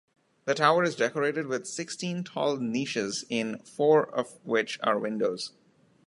The tower is decorated with sixteen tall niches, in four of which are windows.